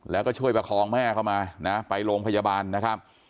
แล้วก็ช่วยประคองแม่เข้ามานะไปโรงพยาบาลนะครับ